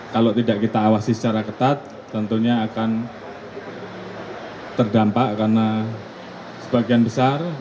kalau tidak kita awasi secara ketat tentunya akan terdampak karena sebagian besar